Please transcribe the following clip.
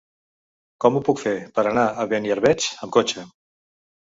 Com ho puc fer per anar a Beniarbeig amb cotxe?